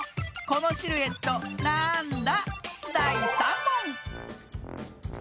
このシルエットなんだ？